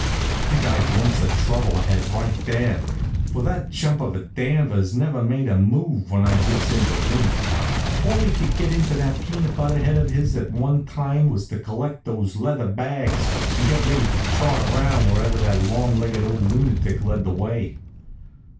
I got a glimpse of trouble ahead, right there; for that chump of a Danvers never made a move when I gives him the wink. All he could get into that peanut head of his at one time was to collect those leather bags and get ready to trot around wherever that long legged old lunatic led the way.